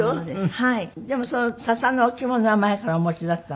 でもその笹のお着物は前からお持ちだったの？